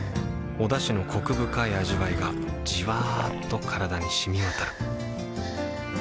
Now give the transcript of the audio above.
おだしのコク深い味わいがじわっと体に染み渡るはぁ。